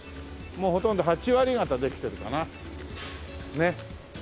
もうほとんど８割方できてるかな。ね。